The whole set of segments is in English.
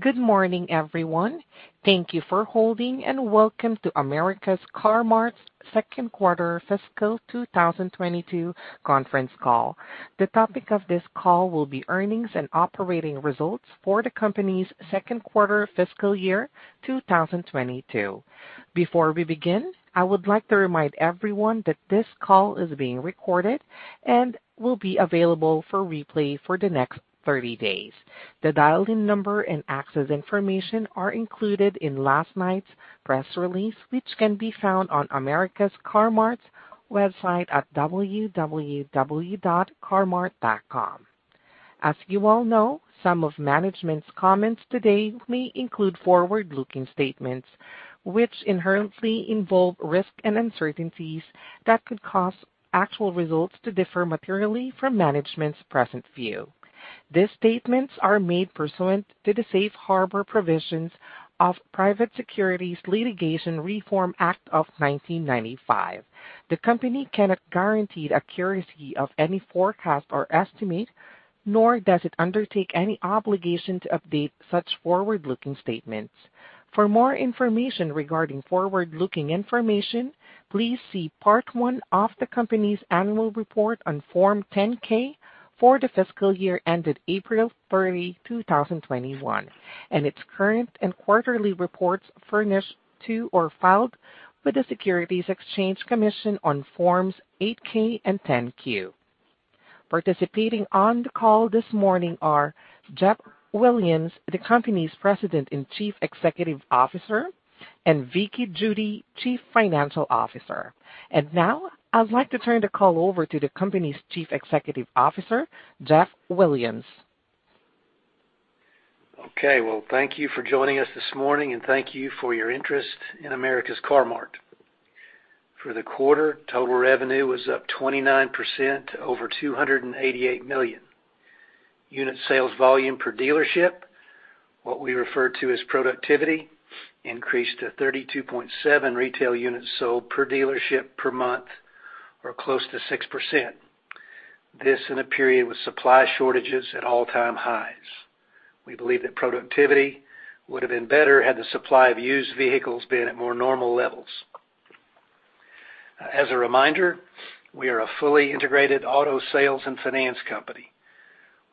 Good morning, everyone. Thank you for holding, and welcome to America's Car-Mart's second quarter fiscal 2022 conference call. The topic of this call will be earnings and operating results for the company's second quarter fiscal year 2022. Before we begin, I would like to remind everyone that this call is being recorded and will be available for replay for the next 30 days. The dial-in number and access information are included in last night's press release, which can be found on America's Car-Mart's website at www.car-mart.com. As you all know, some of management's comments today may include forward-looking statements, which inherently involve risks and uncertainties that could cause actual results to differ materially from management's present view. These statements are made pursuant to the safe harbor provisions of Private Securities Litigation Reform Act of 1995. The company cannot guarantee the accuracy of any forecast or estimate, nor does it undertake any obligation to update such forward-looking statements. For more information regarding forward-looking information, please see part one of the company's annual report on Form 10-K for the fiscal year ended April 30, 2021, and its current and quarterly reports furnished to or filed with the Securities and Exchange Commission on Forms 8-K and 10-Q. Participating on the call this morning are Jeff Williams, the company's President and Chief Executive Officer, and Vickie Judy, Chief Financial Officer. Now, I'd like to turn the call over to the company's Chief Executive Officer, Jeff Williams. Okay. Well, thank you for joining us this morning, and thank you for your interest in America's Car-Mart. For the quarter, total revenue was up 29% to over $288 million. Unit sales volume per dealership, what we refer to as productivity, increased to 32.7 retail units sold per dealership per month or close to 6%. This in a period with supply shortages at all-time highs. We believe that productivity would have been better had the supply of used vehicles been at more normal levels. As a reminder, we are a fully integrated auto sales and finance company.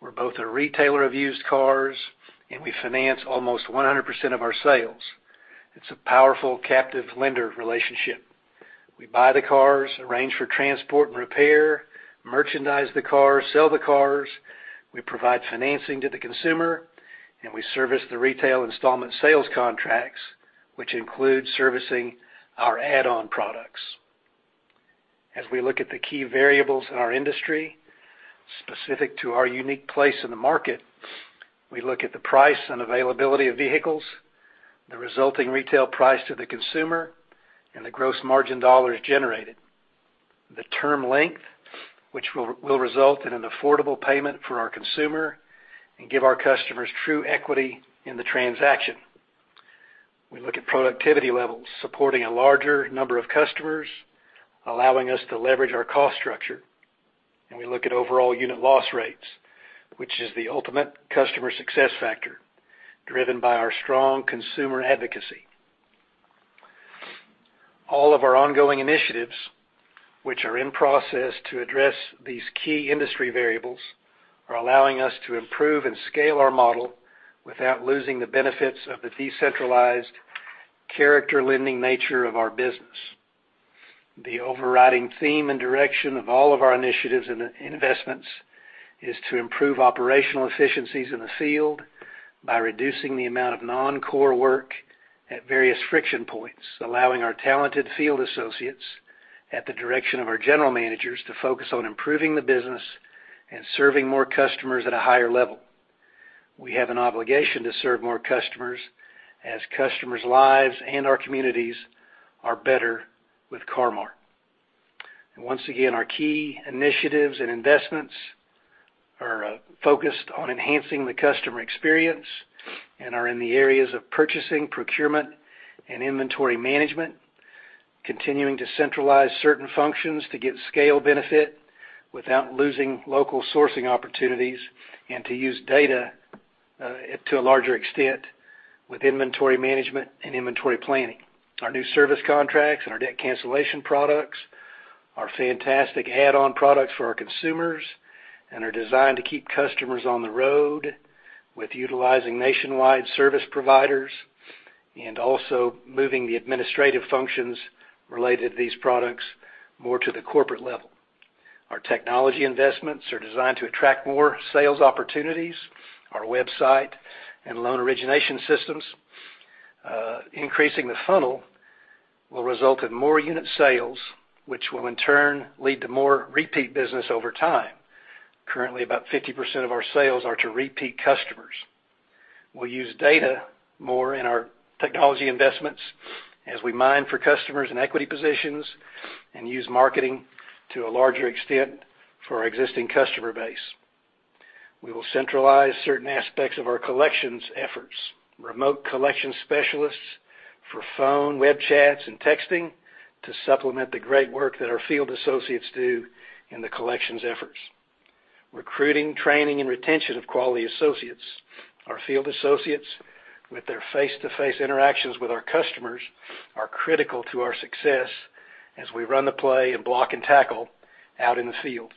We're both a retailer of used cars, and we finance almost 100% of our sales. It's a powerful captive lender relationship. We buy the cars, arrange for transport and repair, merchandise the cars, sell the cars, we provide financing to the consumer, and we service the retail installment sales contracts, which include servicing our add-on products. As we look at the key variables in our industry specific to our unique place in the market, we look at the price and availability of vehicles, the resulting retail price to the consumer, and the gross margin dollars generated. The term length, which will result in an affordable payment for our consumer and give our customers true equity in the transaction. We look at productivity levels supporting a larger number of customers, allowing us to leverage our cost structure. We look at overall unit loss rates, which is the ultimate customer success factor, driven by our strong consumer advocacy. All of our ongoing initiatives, which are in process to address these key industry variables, are allowing us to improve and scale our model without losing the benefits of the decentralized character lending nature of our business. The overriding theme and direction of all of our initiatives and investments is to improve operational efficiencies in the field by reducing the amount of non-core work at various friction points, allowing our talented field associates, at the direction of our general managers, to focus on improving the business and serving more customers at a higher level. We have an obligation to serve more customers as customers' lives and our communities are better with Car-Mart. Once again, our key initiatives and investments are focused on enhancing the customer experience and are in the areas of purchasing, procurement, and inventory management, continuing to centralize certain functions to get scale benefit without losing local sourcing opportunities and to use data to a larger extent with inventory management and inventory planning. Our new service contracts and our debt cancellation products are fantastic add-on products for our consumers and are designed to keep customers on the road with utilizing nationwide service providers and also moving the administrative functions related to these products more to the corporate level. Our technology investments are designed to attract more sales opportunities. Our website and loan origination systems increasing the funnel will result in more unit sales, which will in turn lead to more repeat business over time. Currently, about 50% of our sales are to repeat customers. We'll use data more in our technology investments as we mine for customers in equity positions and use marketing to a larger extent for our existing customer base. We will centralize certain aspects of our collections efforts. Remote collection specialists for phone, web chats, and texting to supplement the great work that our field associates do in the collections efforts. Recruiting, training, and retention of quality associates. Our field associates, with their face-to-face interactions with our customers, are critical to our success as we run the play and block and tackle out in the field.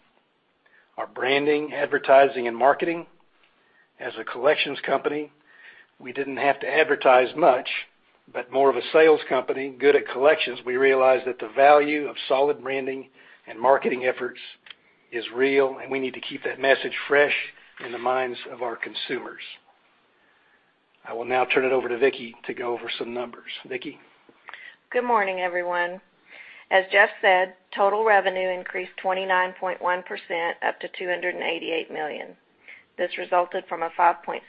Our branding, advertising, and marketing. As a collections company, we didn't have to advertise much, but more of a sales company good at collections, we realized that the value of solid branding and marketing efforts is real, and we need to keep that message fresh in the minds of our consumers. I will now turn it over to Vickie to go over some numbers. Vickie? Good morning, everyone. As Jeff said, total revenue increased 29.1% up to $288 million. This resulted from a 5.7%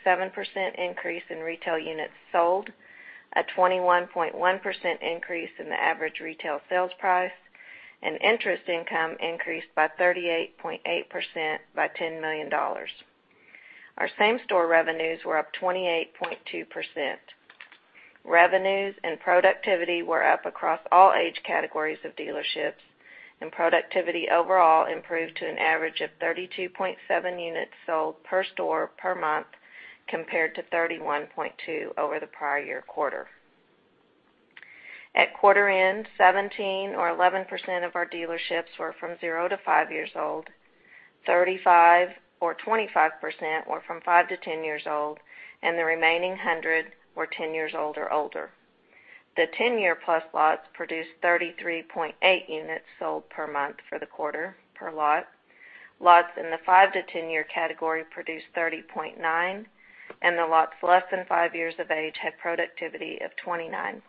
increase in retail units sold, a 21.1% increase in the average retail sales price, and interest income increased by 38.8% by $10 million. Our same-store revenues were up 28.2%. Revenues and productivity were up across all age categories of dealerships, and productivity overall improved to an average of 32.7 units sold per store per month compared to 31.2 over the prior-year quarter. At quarter end, 17 or 11% of our dealerships were from 0 to five years old, 35 or 25% were from five to 10 years old, and the remaining 100 were 10 years old or older. The 10-year-plus lots produced 33.8 units sold per month for the quarter per lot. Lots in the 5-to-10-year category produced 30.9, and the lots less than five years of age had productivity of 29.9.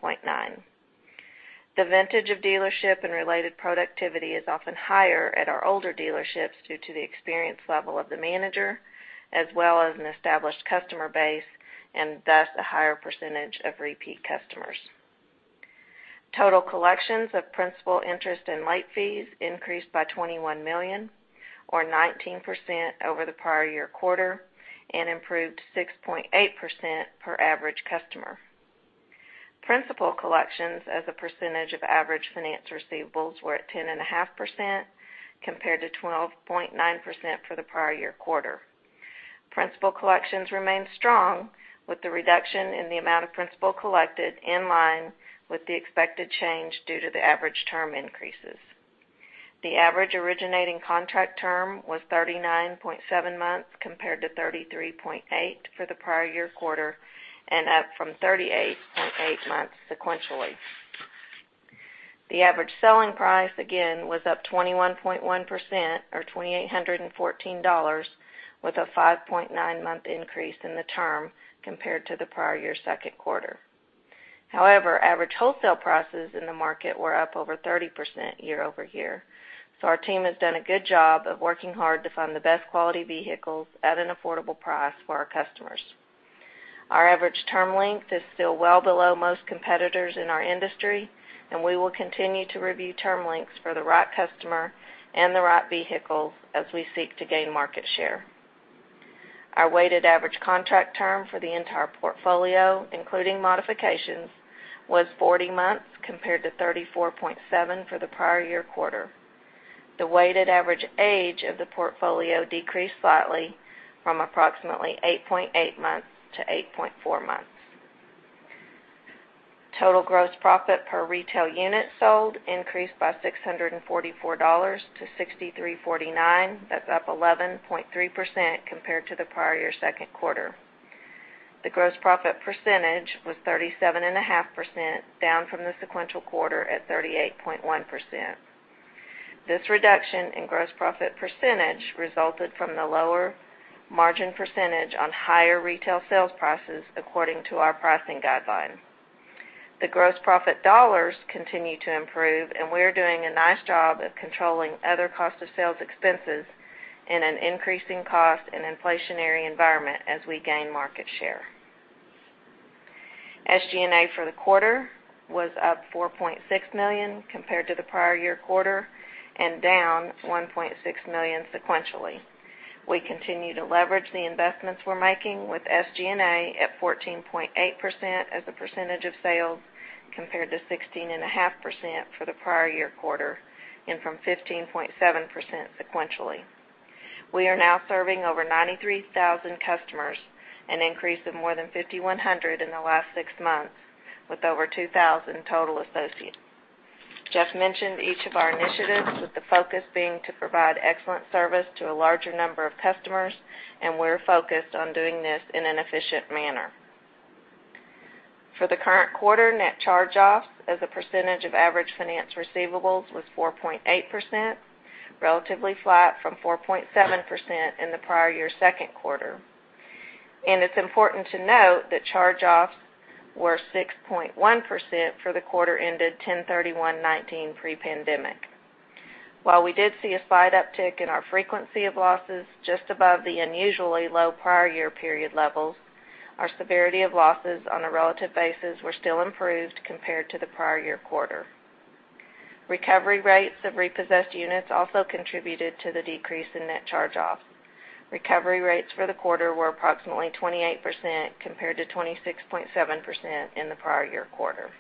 The vintage of dealership and related productivity is often higher at our older dealerships due to the experience level of the manager as well as an established customer base and thus a higher percentage of repeat customers. Total collections of principal interest and late fees increased by $21 million or 19% over the prior year quarter and improved 6.8% per average customer. Principal collections as a percentage of average finance receivables were at 10.5% compared to 12.9% for the prior year quarter. Principal collections remained strong with the reduction in the amount of principal collected in line with the expected change due to the average term increases. The average originating contract term was 39.7 months compared to 33.8 for the prior year quarter and up from 38.8 months sequentially. The average selling price again was up 21.1% or $2,814 with a 5.9-month increase in the term compared to the prior year second quarter. However, average wholesale prices in the market were up over 30% year-over-year. Our team has done a good job of working hard to find the best quality vehicles at an affordable price for our customers. Our average term length is still well below most competitors in our industry, and we will continue to review term lengths for the right customer and the right vehicle as we seek to gain market share. Our weighted average contract term for the entire portfolio, including modifications, was 40 months compared to 34.7 for the prior-year quarter. The weighted average age of the portfolio decreased slightly from approximately 8.8 months to 8.4 months. Total gross profit per retail unit sold increased by $644 to $6,349. That's up 11.3% compared to the prior-year second quarter. The gross profit percentage was 37.5%, down from the sequential quarter at 38.1%. This reduction in gross profit percentage resulted from the lower margin percentage on higher retail sales prices according to our pricing guideline. The gross profit dollars continue to improve, and we are doing a nice job of controlling other cost of sales expenses in an increasing cost and inflationary environment as we gain market share. SG&A for the quarter was up $4.6 million compared to the prior year quarter and down $1.6 million sequentially. We continue to leverage the investments we're making with SG&A at 14.8% as a percentage of sales compared to 16.5% for the prior year quarter and from 15.7% sequentially. We are now serving over 93,000 customers, an increase of more than 5,100 in the last six months, with over 2,000 total associates. Jeff mentioned each of our initiatives, with the focus being to provide excellent service to a larger number of customers, and we're focused on doing this in an efficient manner. For the current quarter, net charge-offs as a percentage of average finance receivables was 4.8%, relatively flat from 4.7% in the prior year second quarter. It's important to note that charge-offs were 6.1% for the quarter ended 10/31/2019 pre-pandemic. While we did see a slight uptick in our frequency of losses just above the unusually low prior year period levels, our severity of losses on a relative basis were still improved compared to the prior year quarter. Recovery rates of repossessed units also contributed to the decrease in net charge-offs. Recovery rates for the quarter were approximately 28% compared to 26.7% in the prior year quarter.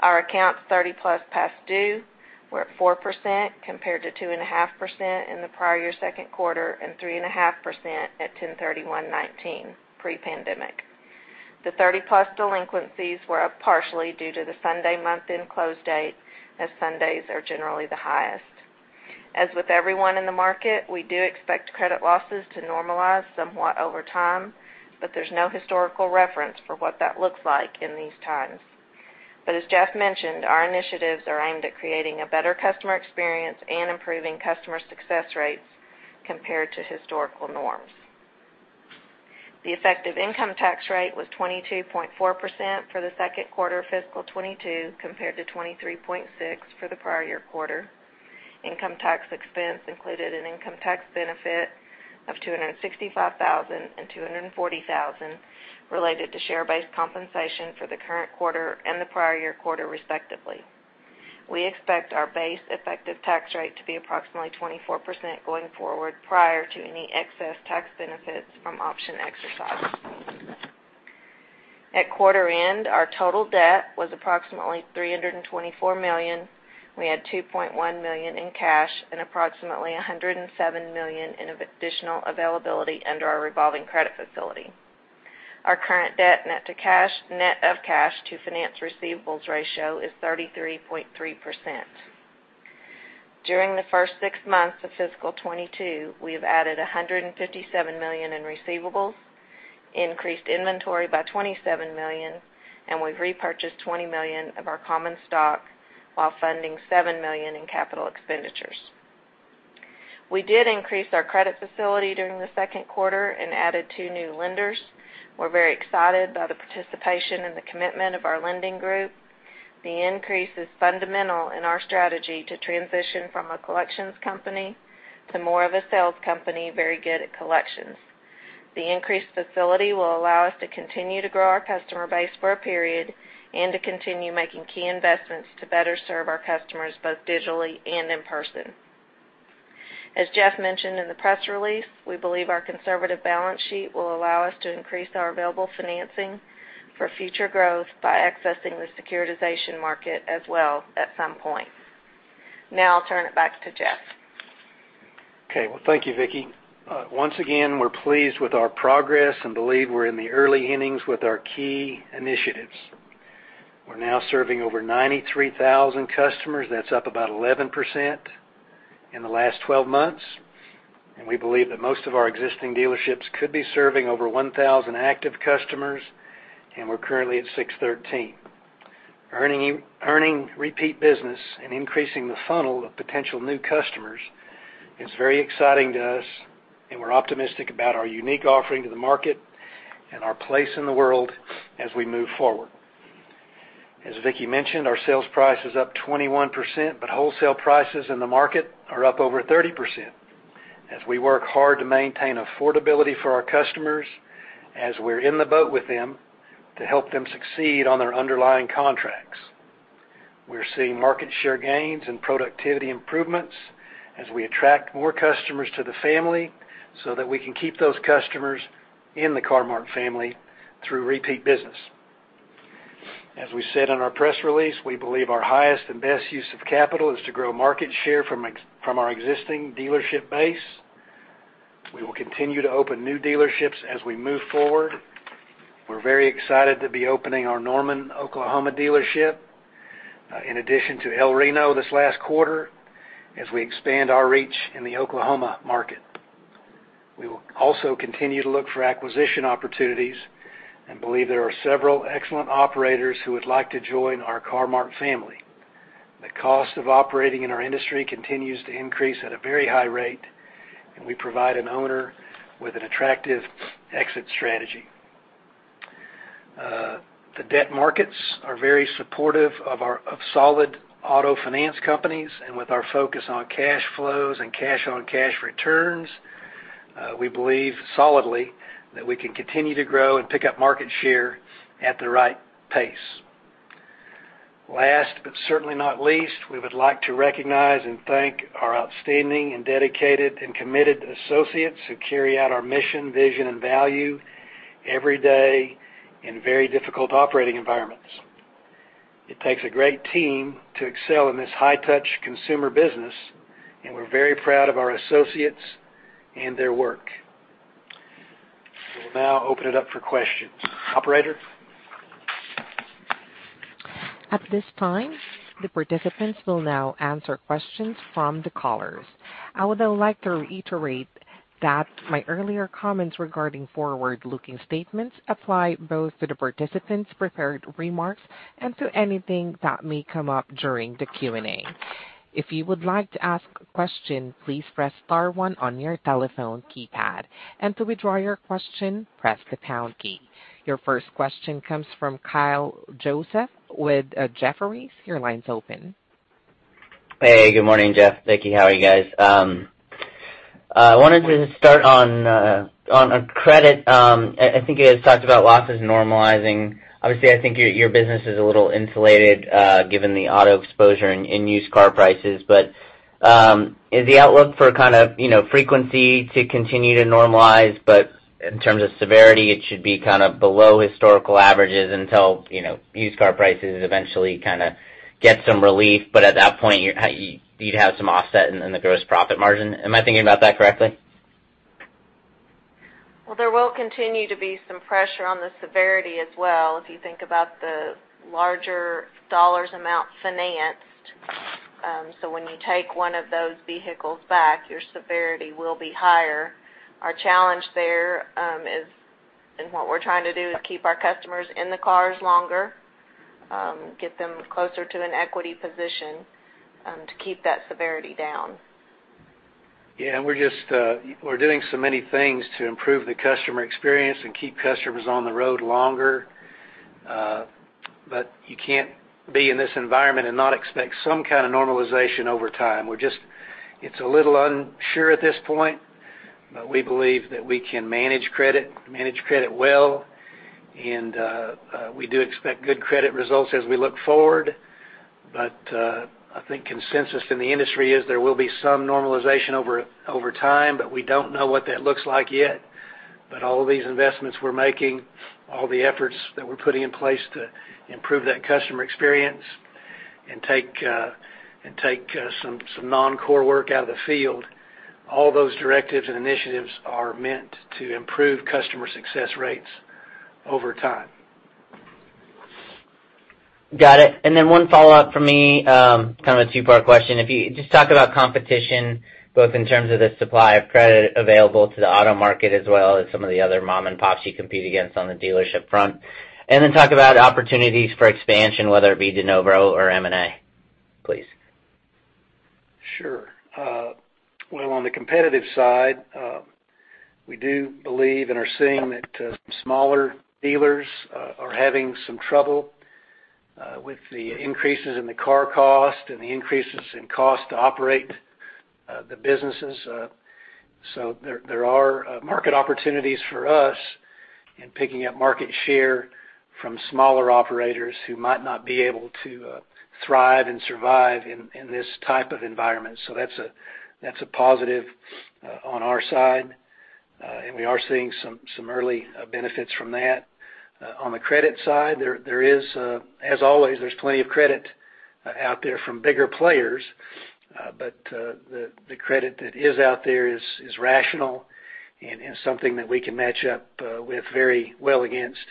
Our accounts thirty-plus past due were at 4% compared to 2.5% in the prior year second quarter and 3.5% at 10/31/2019 pre-pandemic. The thirty-plus delinquencies were up partially due to the Sunday month-end close date, as Sundays are generally the highest. As with everyone in the market, we do expect credit losses to normalize somewhat over time, but there's no historical reference for what that looks like in these times. As Jeff mentioned, our initiatives are aimed at creating a better customer experience and improving customer success rates compared to historical norms. The effective income tax rate was 22.4% for the second quarter of fiscal 2022 compared to 23.6% for the prior year quarter. Income tax expense included an income tax benefit of $265,000 and $240,000 related to share-based compensation for the current quarter and the prior year quarter, respectively. We expect our base effective tax rate to be approximately 24% going forward prior to any excess tax benefits from option exercises. At quarter end, our total debt was approximately $324 million. We had $2.1 million in cash and approximately $107 million in additional availability under our revolving credit facility. Our current debt net of cash to finance receivables ratio is 33.3%. During the first six months of fiscal 2022, we have added $157 million in receivables, increased inventory by $27 million, and we've repurchased $20 million of our common stock while funding $7 million in capital expenditures. We did increase our credit facility during the second quarter and added two new lenders. We're very excited by the participation and the commitment of our lending group. The increase is fundamental in our strategy to transition from a collections company to more of a sales company very good at collections. The increased facility will allow us to continue to grow our customer base for a period and to continue making key investments to better serve our customers, both digitally and in person. As Jeff mentioned in the press release, we believe our conservative balance sheet will allow us to increase our available financing for future growth by accessing the securitization market as well at some point. Now, I'll turn it back to Jeff. Okay. Well, thank you, Vickie. Once again, we're pleased with our progress and believe we're in the early innings with our key initiatives. We're now serving over 93,000 customers. That's up about 11% in the last 12 months, and we believe that most of our existing dealerships could be serving over 1,000 active customers, and we're currently at 613. Earning repeat business and increasing the funnel of potential new customers is very exciting to us, and we're optimistic about our unique offering to the market and our place in the world as we move forward. As Vickie mentioned, our sales price is up 21%, but wholesale prices in the market are up over 30% as we work hard to maintain affordability for our customers as we're in the boat with them to help them succeed on their underlying contracts. We're seeing market share gains and productivity improvements as we attract more customers to the family so that we can keep those customers in the Car-Mart group family through repeat business. As we said in our press release, we believe our highest and best use of capital is to grow market share from our existing dealership base. We will continue to open new dealerships as we move forward. We're very excited to be opening our Norman, Oklahoma dealership, in addition to El Reno this last quarter, as we expand our reach in the Oklahoma market. We will also continue to look for acquisition opportunities and believe there are several excellent operators who would like to join our Car-Mart family. The cost of operating in our industry continues to increase at a very high rate, and we provide an owner with an attractive exit strategy. The debt markets are very supportive of our solid auto finance companies, and with our focus on cash flows and cash-on-cash returns, we believe solidly that we can continue to grow and pick up market share at the right pace. Last but certainly not least, we would like to recognize and thank our outstanding and dedicated and committed associates who carry out our mission, vision, and value every day in very difficult operating environments. It takes a great team to excel in this high-touch consumer business, and we're very proud of our associates and their work. We'll now open it up for questions. Operator? At this time, the participants will now answer questions from the callers. I would like to reiterate that my earlier comments regarding forward-looking statements apply both to the participants' prepared remarks and to anything that may come up during the Q&A. If you would like to ask a question, please press star one on your telephone keypad, and to withdraw your question, press the pound key. Your first question comes from Kyle Joseph with Jefferies. Your line's open. Hey, good morning, Jeff. Vickie, how are you guys? I wanted to start on credit. I think you had talked about losses normalizing. Obviously, I think your business is a little insulated given the auto exposure in used car prices. Is the outlook for kind of, you know, frequency to continue to normalize, but in terms of severity, it should be kind of below historical averages until, you know, used car prices eventually kinda get some relief, but at that point, you'd have some offset in the gross profit margin? Am I thinking about that correctly? Well, there will continue to be some pressure on the severity as well if you think about the larger dollar amount financed. When you take one of those vehicles back, your severity will be higher. Our challenge there, and what we're trying to do, is keep our customers in the cars longer, get them closer to an equity position, to keep that severity down. We're just doing so many things to improve the customer experience and keep customers on the road longer. You can't be in this environment and not expect some kind of normalization over time. It's a little unsure at this point, but we believe that we can manage credit well. We do expect good credit results as we look forward. I think consensus in the industry is there will be some normalization over time, but we don't know what that looks like yet. All these investments we're making, all the efforts that we're putting in place to improve that customer experience and take some non-core work out of the field, all those directives and initiatives are meant to improve customer success rates over time. Got it. One follow-up from me, kind of a two-part question. If you just talk about competition, both in terms of the supply of credit available to the auto market as well as some of the other mom and pops you compete against on the dealership front. Talk about opportunities for expansion, whether it be de novo or M&A, please. Sure. Well, on the competitive side, we do believe and are seeing that smaller dealers are having some trouble with the increases in the car cost and the increases in cost to operate the businesses. There are market opportunities for us in picking up market share from smaller operators who might not be able to thrive and survive in this type of environment. That's a positive on our side. We are seeing some early benefits from that. On the credit side, there is, as always, there's plenty of credit out there from bigger players. The credit that is out there is rational and is something that we can match up with very well against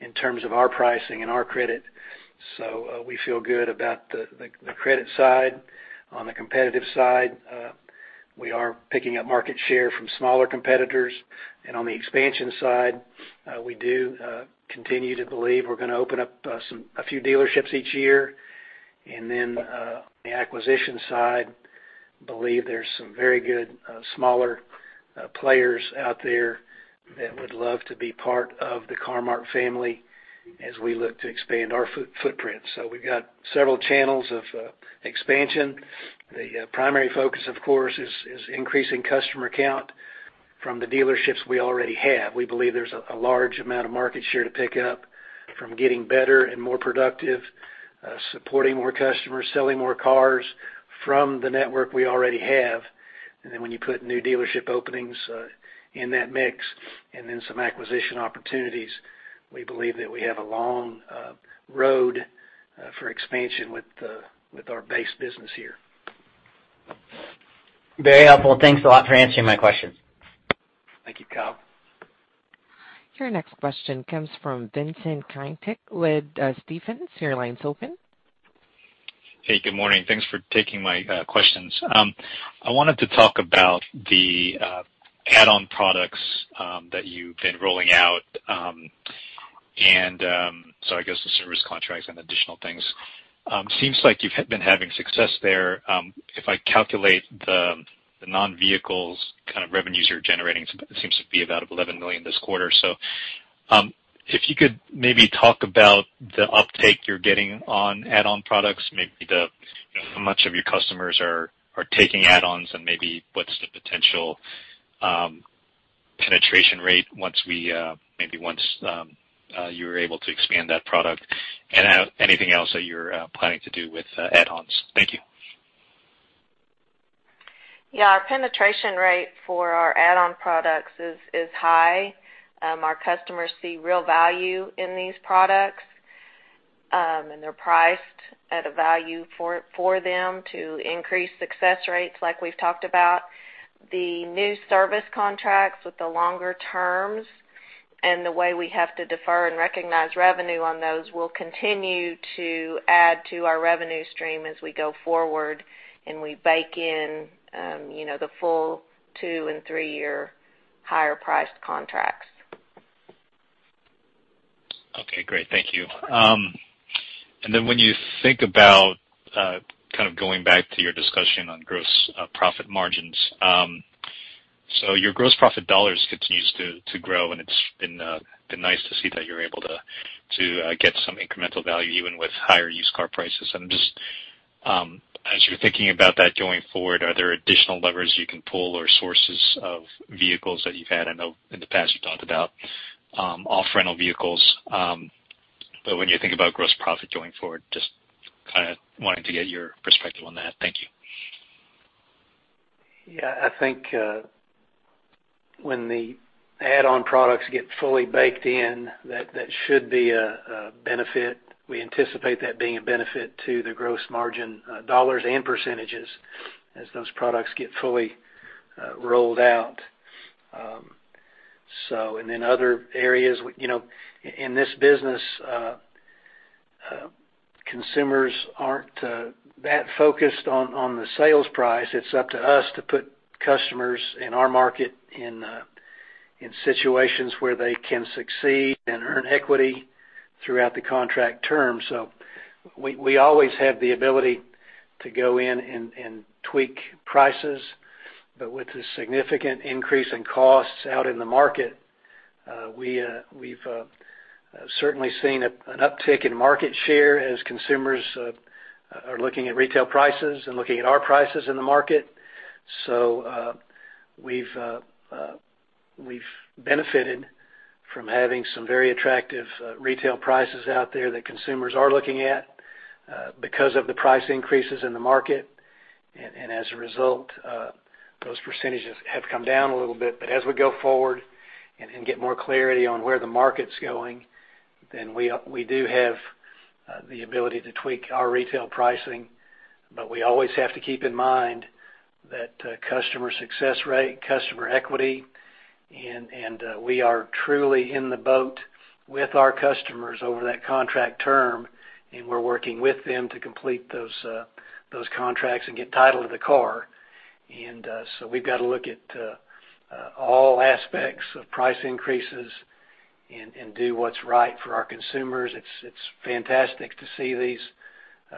in terms of our pricing and our credit. We feel good about the credit side. On the competitive side, we are picking up market share from smaller competitors. On the expansion side, we do continue to believe we're gonna open up a few dealerships each year. On the acquisition side, we believe there's some very good smaller players out there that would love to be part of the Car-Mart family as we look to expand our footprint. We've got several channels of expansion. The primary focus, of course, is increasing customer count from the dealerships we already have. We believe there's a large amount of market share to pick up from getting better and more productive, supporting more customers, selling more cars from the network we already have. Then when you put new dealership openings in that mix, and then some acquisition opportunities, we believe that we have a long road for expansion with our base business here. Very helpful. Thanks a lot for answering my questions. Thank you, Kyle. Your next question comes from Vincent Caintic with Stephens. Your line's open. Hey, good morning. Thanks for taking my questions. I wanted to talk about the add-on products that you've been rolling out, and so I guess the service contracts and additional things. Seems like you've been having success there. If I calculate the non-vehicles kind of revenues you're generating, it seems to be about $11 million this quarter. If you could maybe talk about the uptake you're getting on add-on products, maybe how much of your customers are taking add-ons and maybe what's the potential penetration rate once you're able to expand that product? Anything else that you're planning to do with add-ons. Thank you. Yeah. Our penetration rate for our add-on products is high. Our customers see real value in these products, and they're priced at a value for them to increase success rates like we've talked about. The new service contracts with the longer terms and the way we have to defer and recognize revenue on those will continue to add to our revenue stream as we go forward, and we bake in, you know, the full two- and three-year higher-priced contracts. Okay, great. Thank you. When you think about kind of going back to your discussion on gross profit margins, your gross profit dollars continues to grow, and it's been nice to see that you're able to get some incremental value even with higher used car prices. I'm just as you're thinking about that going forward, are there additional levers you can pull or sources of vehicles that you've had? I know in the past you've talked about off-rental vehicles. When you think about gross profit going forward, just kinda wanting to get your perspective on that. Thank you. Yeah. I think when the add-on products get fully baked in, that should be a benefit. We anticipate that being a benefit to the gross margin dollars and percentages as those products get fully rolled out. Other areas, you know, in this business, consumers aren't that focused on the sales price. It's up to us to put customers in our market in situations where they can succeed and earn equity throughout the contract term. We always have the ability to go in and tweak prices. With the significant increase in costs out in the market, we've certainly seen an uptick in market share as consumers are looking at retail prices and looking at our prices in the market. We've benefited from having some very attractive retail prices out there that consumers are looking at because of the price increases in the market. As a result, those percentages have come down a little bit. As we go forward and get more clarity on where the market's going, then we do have the ability to tweak our retail pricing. We always have to keep in mind that customer success rate, customer equity, and we are truly in the boat with our customers over that contract term, and we're working with them to complete those contracts and get title to the car. We've gotta look at all aspects of price increases and do what's right for our consumers. It's fantastic to see these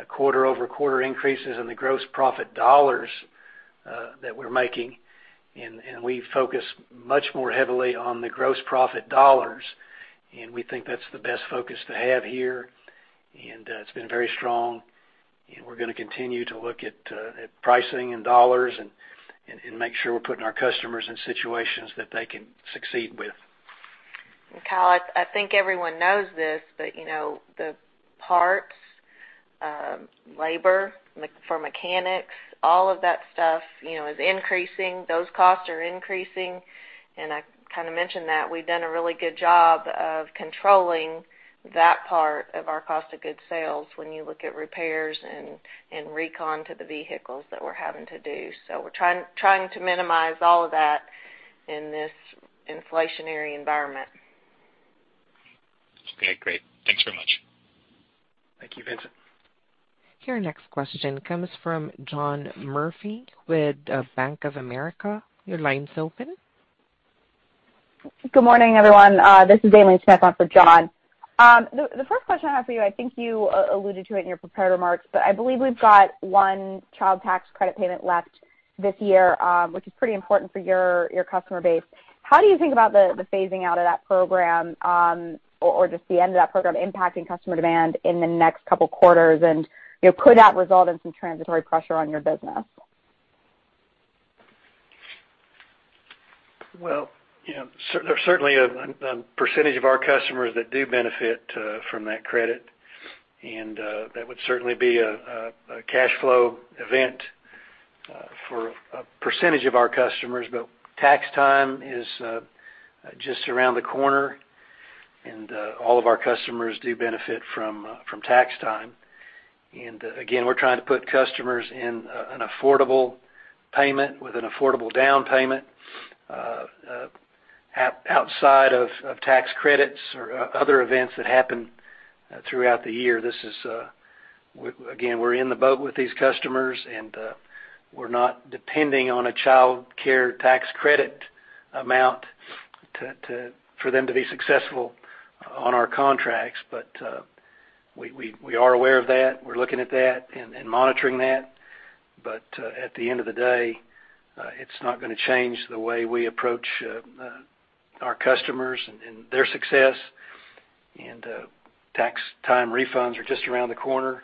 quarter-over-quarter increases in the gross profit dollars that we're making. We focus much more heavily on the gross profit dollars, and we think that's the best focus to have here. It's been very strong. We're gonna continue to look at pricing in dollars and make sure we're putting our customers in situations that they can succeed with. Kyle, I think everyone knows this, but, you know, the parts, labor for mechanics, all of that stuff, you know, is increasing. Those costs are increasing, and I kinda mentioned that we've done a really good job of controlling that part of our cost of goods sold when you look at repairs and recon to the vehicles that we're having to do. We're trying to minimize all of that in this inflationary environment. Okay, great. Thanks very much. Thank you, Vincent. Your next question comes from John Murphy with Bank of America. Your line's open. Good morning, everyone. This is Aimee Smith on for John. The first question I have for you, I think you alluded to it in your prepared remarks, but I believe we've got one Child Tax Credit payment left this year, which is pretty important for your customer base. How do you think about the phasing out of that program, or just the end of that program impacting customer demand in the next couple quarters? You know, could that result in some transitory pressure on your business? Well, you know, there's certainly a percentage of our customers that do benefit from that credit. That would certainly be a cash flow event for a percentage of our customers. Tax time is just around the corner, and all of our customers do benefit from tax time. Again, we're trying to put customers in an affordable payment with an affordable down payment outside of tax credits or other events that happen throughout the year. This is, again, we're in the boat with these customers, and we're not depending on a Child Tax Credit amount for them to be successful on our contracts. We are aware of that. We're looking at that and monitoring that. At the end of the day, it's not gonna change the way we approach our customers and their success. Tax time refunds are just around the corner,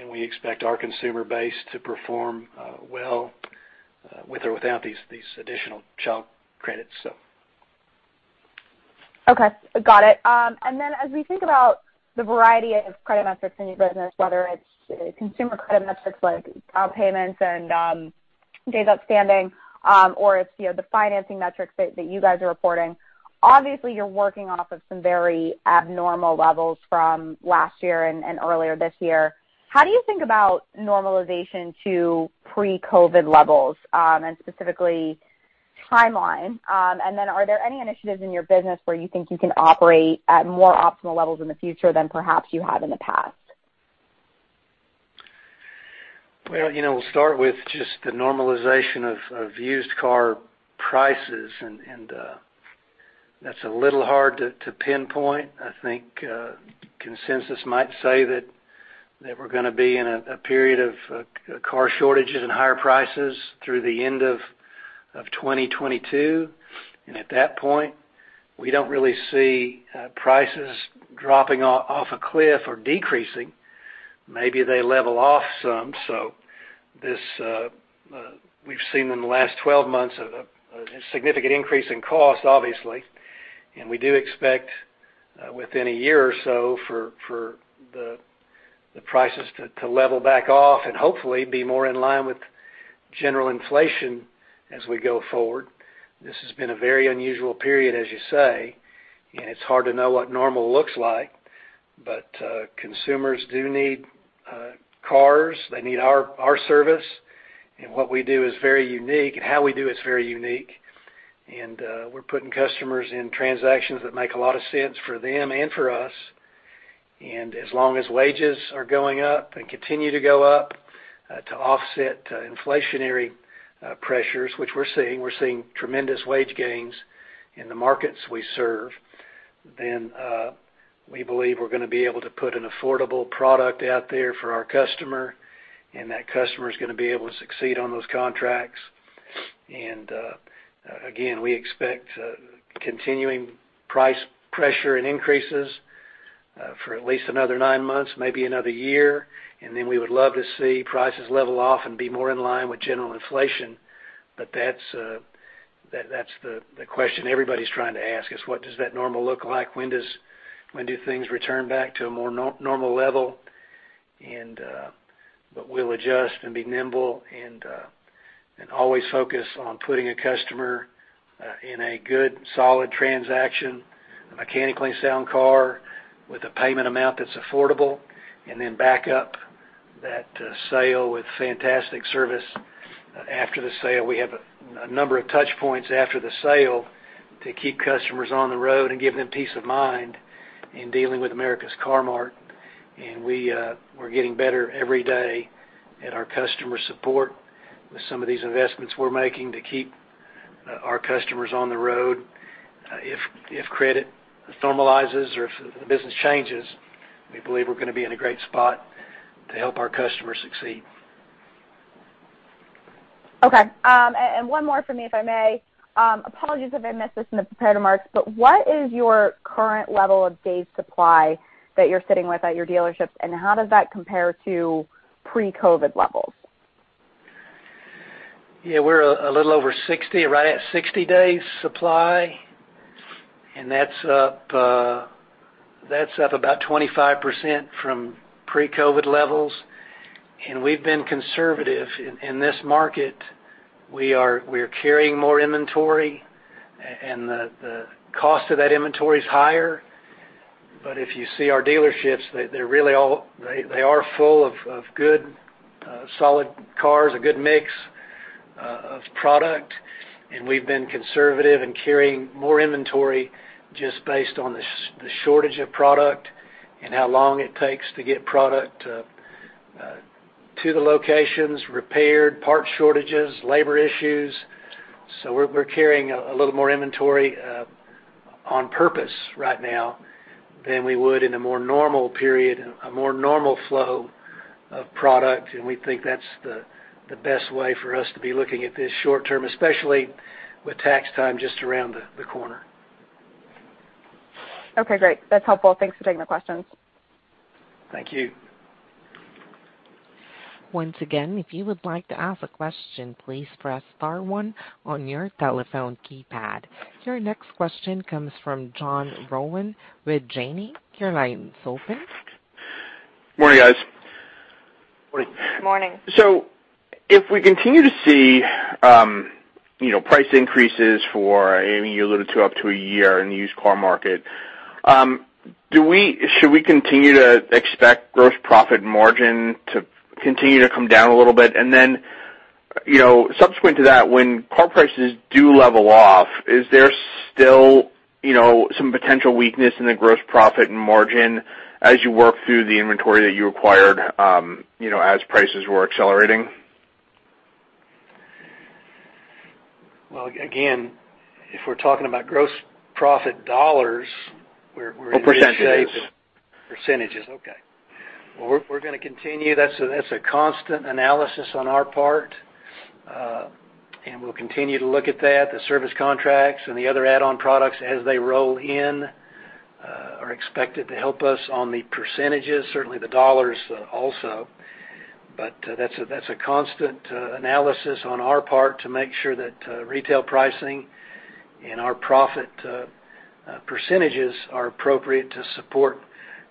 and we expect our consumer base to perform well with or without these additional child credits. Okay. Got it. As we think about the variety of credit metrics in your business, whether it's consumer credit metrics like payments and days outstanding, or it's, you know, the financing metrics that you guys are reporting, obviously you're working off of some very abnormal levels from last year and earlier this year. How do you think about normalization to pre-COVID levels, and specifically timeline? Are there any initiatives in your business where you think you can operate at more optimal levels in the future than perhaps you have in the past? Well, you know, we'll start with just the normalization of used car prices. That's a little hard to pinpoint. I think consensus might say that we're gonna be in a period of car shortages and higher prices through the end of 2022. At that point, we don't really see prices dropping off a cliff or decreasing. Maybe they level off some. We've seen in the last 12 months a significant increase in cost, obviously. We do expect within a year or so the prices to level back off and hopefully be more in line with general inflation as we go forward. This has been a very unusual period, as you say, and it's hard to know what normal looks like. Consumers do need cars. They need our service. What we do is very unique, and how we do it is very unique. We're putting customers in transactions that make a lot of sense for them and for us. As long as wages are going up and continue to go up to offset inflationary pressures, which we're seeing, we're seeing tremendous wage gains in the markets we serve, then we believe we're gonna be able to put an affordable product out there for our customer, and that customer is gonna be able to succeed on those contracts. Again, we expect continuing price pressure and increases for at least another nine months, maybe another year. Then we would love to see prices level off and be more in line with general inflation. That's the question everybody's trying to ask, is what does that normal look like? When do things return back to a more normal level? We'll adjust and be nimble and always focus on putting a customer in a good, solid transaction, a mechanically sound car with a payment amount that's affordable, and then back up that sale with fantastic service after the sale. We have a number of touch points after the sale to keep customers on the road and give them peace of mind in dealing with America's Car-Mart. We're getting better every day at our customer support with some of these investments we're making to keep our customers on the road. If credit formalizes or if the business changes, we believe we're gonna be in a great spot to help our customers succeed. Okay. One more for me, if I may. Apologies if I missed this in the prepared remarks, but what is your current level of days supply that you're sitting with at your dealerships, and how does that compare to pre-COVID levels? Yeah, we're a little over 60, right at 60 days supply, and that's up about 25% from pre-COVID levels. We've been conservative. In this market, we are carrying more inventory and the cost of that inventory is higher. But if you see our dealerships, they're really all full of good solid cars, a good mix of product. We've been conservative in carrying more inventory just based on the shortage of product and how long it takes to get product to the locations, repaired, part shortages, labor issues. We're carrying a little more inventory on purpose right now than we would in a more normal period, a more normal flow of product. We think that's the best way for us to be looking at this short term, especially with tax time just around the corner. Okay, great. That's helpful. Thanks for taking the questions. Thank you. Once again, if you would like to ask a question, please press star one on your telephone keypad. Your next question comes from John Rowan with Janney. Your line is open. Morning, guys. Morning. Morning. If we continue to see, you know, price increases for, I mean, you alluded to up to a year in the used car market, should we continue to expect gross profit margin to continue to come down a little bit? You know, subsequent to that, when car prices do level off, is there still, you know, some potential weakness in the gross profit and margin as you work through the inventory that you acquired, you know, as prices were accelerating? Well, again, if we're talking about gross profit dollars, we're in. Percentages. Percentages. Okay. Well, we're gonna continue. That's a constant analysis on our part. We'll continue to look at that. The service contracts and the other add-on products as they roll in are expected to help us on the percentages, certainly the dollars also. That's a constant analysis on our part to make sure that retail pricing and our profit percentages are appropriate to support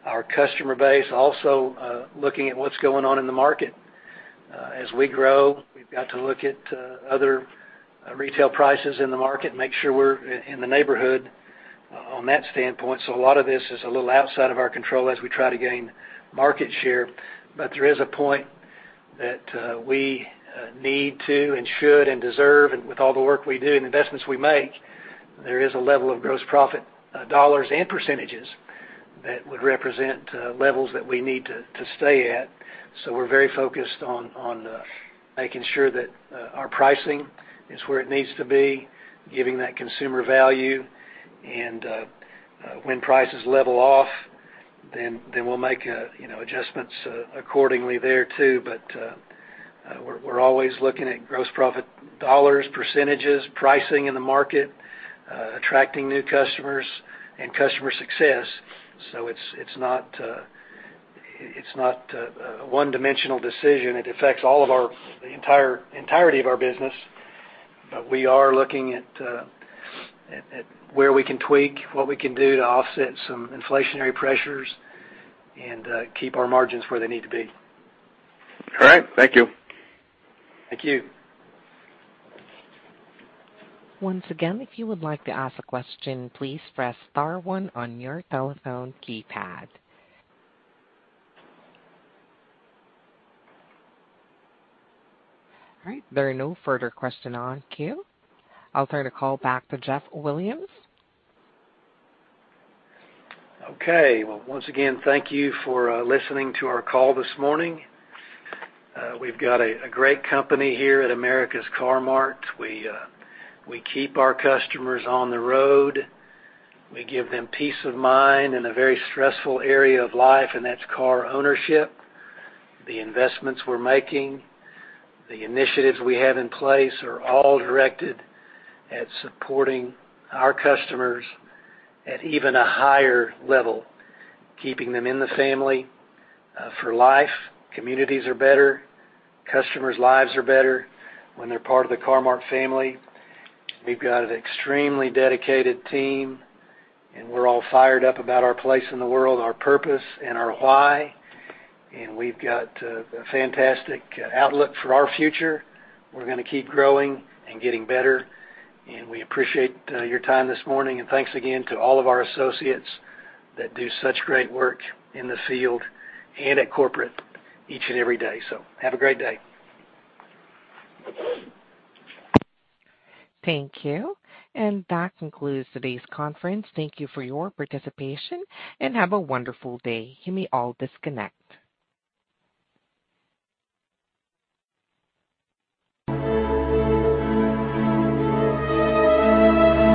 our customer base. Also, looking at what's going on in the market as we grow, we've got to look at other retail prices in the market, make sure we're in the neighborhood on that standpoint. A lot of this is a little outside of our control as we try to gain market share. There is a point that we need to and should and deserve, and with all the work we do and the investments we make, there is a level of gross profit dollars and percentages that would represent levels that we need to stay at. We're very focused on making sure that our pricing is where it needs to be, giving that consumer value. When prices level off, we'll make you know adjustments accordingly there too. We're always looking at gross profit dollars, percentages, pricing in the market, attracting new customers and customer success. It's not a one-dimensional decision. It affects the entirety of our business. We are looking at where we can tweak, what we can do to offset some inflationary pressures and keep our margins where they need to be. All right. Thank you. Thank you. Once again, if you would like to ask a question, please press star one on your telephone keypad. All right. There are no further questions in queue. I'll turn the call back to Jeff Williams. Okay. Well, once again, thank you for listening to our call this morning. We've got a great company here at America's Car-Mart. We keep our customers on the road. We give them peace of mind in a very stressful area of life, and that's car ownership. The investments we're making, the initiatives we have in place are all directed at supporting our customers at even a higher level, keeping them in the family for life. Communities are better. Customers' lives are better when they're part of the Car-Mart family. We've got an extremely dedicated team, and we're all fired up about our place in the world, our purpose, and our why. We've got a fantastic outlook for our future. We're gonna keep growing and getting better, and we appreciate your time this morning. Thanks again to all of our associates that do such great work in the field and at corporate each and every day. Have a great day. Thank you. That concludes today's conference. Thank you for your participation, and have a wonderful day. You may all disconnect.